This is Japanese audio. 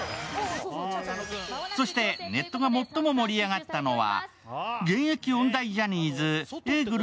そしてネットが最も盛り上がったのは、現役音大ジャニーズ、Ａぇ！